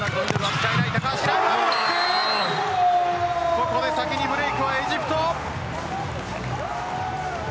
ここで先にブレークはエジプト。